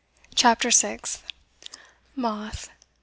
CHAPTER SIXTH. Moth.